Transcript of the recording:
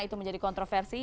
itu menjadi kontroversi